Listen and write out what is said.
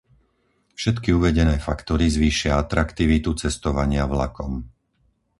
Všetky uvedené faktory zvýšia atraktivitu cestovania vlakom.